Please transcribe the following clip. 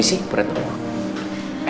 jalankan senjata ted charle untuknya